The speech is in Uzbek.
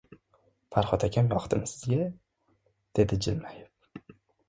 — Farhod akam yoqdimi sizga? — dedi jilmayib.